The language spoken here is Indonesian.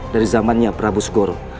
dari zamannya prabu segorok